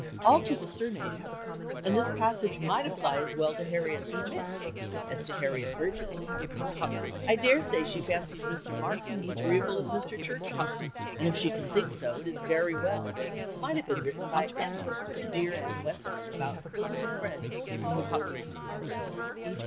Alter the surnames, and this passage might apply as well to Harriet Smith as to Harriet Bridges. "I dare say she fancies Mr. Martin as agreeable as Mr. Churchill, and if she can think so, it is very well," might have been written by Emma to dear Anne Weston about the "little friend" from the boarding school.